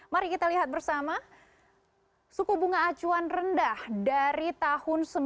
mari kita lihat bersama suku bunga acuan rendah dari tahun seribu sembilan ratus sembilan puluh